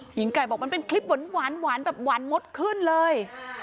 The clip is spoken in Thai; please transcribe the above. หญิงไก่บอกมันเป็นคลิปหวานแบบหวานมดขึ้นเลย